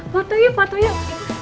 foto yuk foto yuk